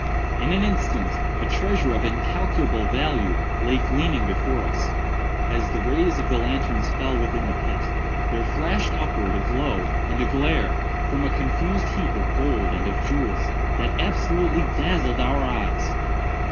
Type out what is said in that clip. In an instant, a treasure of incalculable value lay gleaming before us. As the rays of the lanterns fell within the pit, there flashed upwards a glow and a glare, from a confused heap of gold and of jewels, that absolutely dazzled our eyes.